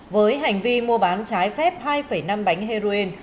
với hành vi mua bán trái phép hai năm bánh heroin